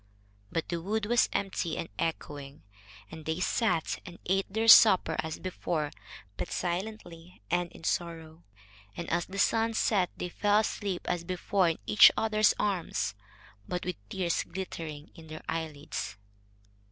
But the wood was empty and echoing, and they sat and ate their supper as before, but silently and in sorrow, and as the sun set they fell asleep as before in each other's arms, but with tears glittering on their eyelids.